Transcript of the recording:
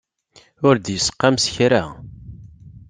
Ur d-yestqam s kra.